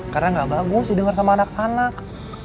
karena gak bagus denger sama anak anak